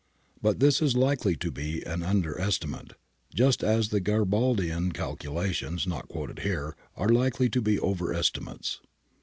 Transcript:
But this is likely to be an under estimate, just as the Garibaldian calculations (not quoted here) are likely to be over estimates.